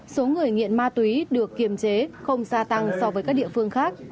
số người nghiện ma túy được kiềm chế không gia tăng so với các địa phương khác